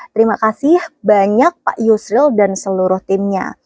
terima kasih banyak pak yusril dan seluruh timnya